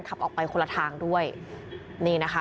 ขับออกไปคนละทางด้วยนี่นะคะ